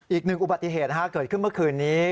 อีกหนึ่งอุบัติเหตุเกิดขึ้นเมื่อคืนนี้